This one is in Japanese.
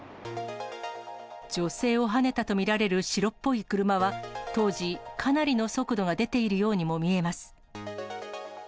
女性をはねたと見られる白っぽい車は当時、かなりの速度が出ているようにも見えます。